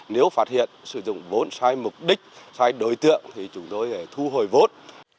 nếu phát hiện sử dụng vốn sai mục đích sai đối tượng thì chúng tôi sẽ thu hồi vốn